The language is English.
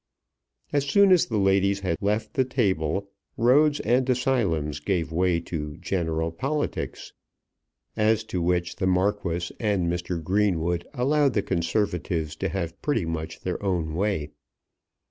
As soon as the ladies had left the table roads and asylums gave way to general politics, as to which the Marquis and Mr. Greenwood allowed the Conservatives to have pretty much their own way.